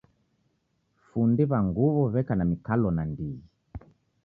Fundi w'a nguw'o w'eka na mikalo nandighi.